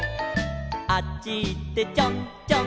「あっちいってちょんちょん」